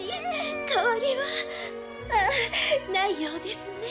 かわりはあぁないようですね」